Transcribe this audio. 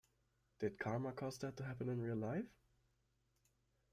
Did karma cause that to happen in real life?